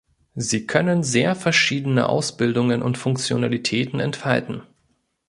Sie können sehr verschiedene Ausbildungen und Funktionalitäten entfalten.